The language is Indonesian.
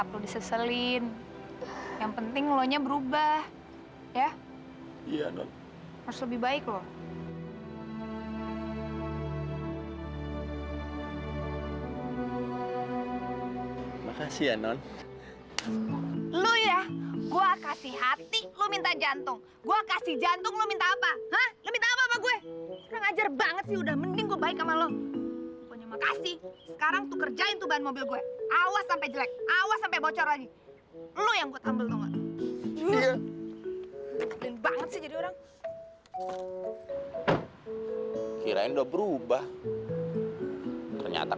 lu pengen tau jawabannya